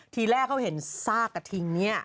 ทีแรกเขาเห็นซากกระทิงเนี่ย